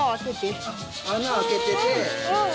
穴開けてて。